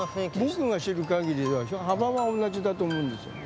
僕が知るかぎりは、幅は同じだと思うんですよ。